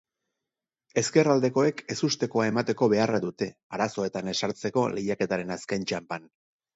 Ezkerraldekoek ezustekoa emateko beharra dute arazoetan ez sartzeko lehiaketaren azken txanpan.